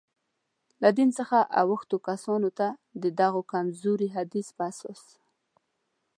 له دین څخه اوښتو کسانو ته، د دغه کمزوري حدیث په اساس.